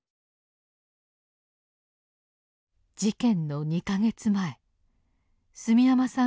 事件の２か月前住山さん